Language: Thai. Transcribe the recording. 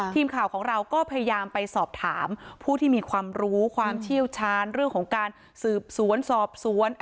ทีมข่าวของเราก็พยายามไปสอบถามผู้ที่มีความรู้ความเชี่ยวชาญเรื่องของการสืบสวนสอบสวน